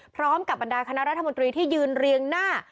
พร้อมกับบรรดาคณะรัฐมนตรีที่ยืนเรียงหน้า